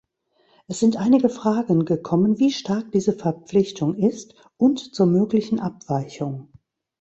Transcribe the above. Es sind einige Fragen gekommen, wie stark diese Verpflichtung ist, und zur möglichen Abweichung.